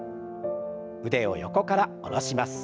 腕を横から下ろします。